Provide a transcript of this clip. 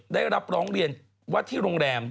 ได้รับร้องเรียนว่าที่โรงแรม